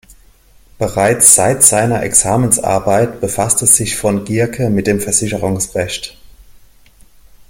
Bereits seit seiner Examensarbeit befasste sich von Gierke mit dem Versicherungsrecht.